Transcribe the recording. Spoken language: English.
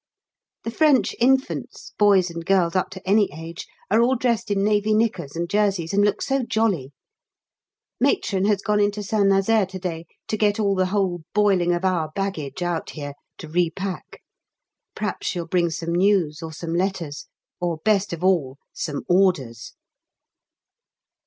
The French infants, boys and girls up to any age, are all dressed in navy knickers and jerseys and look so jolly. Matron has gone into St Nazaire to day to get all the whole boiling of our baggage out here to repack. P'raps she'll bring some news or some letters, or, best of all, some orders.